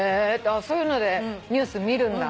そういうのでニュース見るんだ。